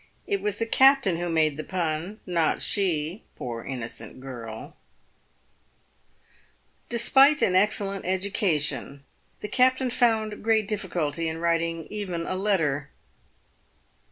It was the captain who made the pun, not she, poor innocent girl ! Despite an excellent education, the captain found great difficulty in writing even a letter.